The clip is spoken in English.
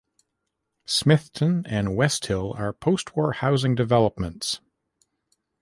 Smithton and Westhill are post-war housing developments.